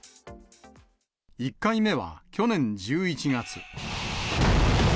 １回目は去年１１月。